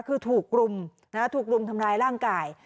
คือถูกรุมถูกรุมทำร้ายร่างกาย